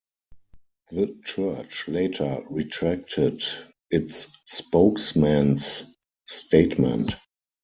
The church later retracted its spokesman's statement.